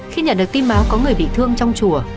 khi nhận được tim máu có người bị thương trong chùa